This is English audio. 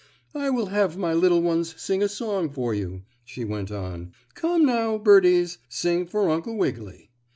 "I will have my little ones sing a song for you," she went on. "Come now, birdies, sing for Uncle Wiggily."